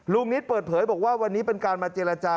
นิตเปิดเผยบอกว่าวันนี้เป็นการมาเจรจา